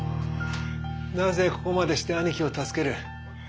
なぜここまでして兄貴を助ける？